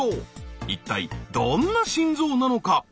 一体どんな心臓なのか？